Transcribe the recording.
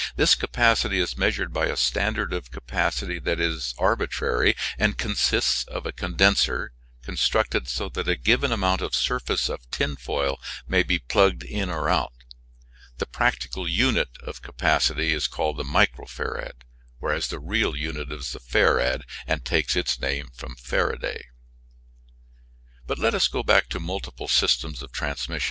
This capacity is measured by a standard of capacity that is arbitrary and consists of a condenser, constructed so that a given amount of surface of tin foil may be plugged in or out. The practical unit of capacity is called the micro farad, the real unit is the farad, and takes its name from Faraday. But let us go back to multiple systems of transmission.